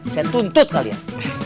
saya tuntut kalian